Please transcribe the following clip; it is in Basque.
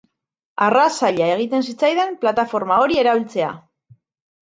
Arras zaila egiten zitzaidan plataforma hori erabiltzea.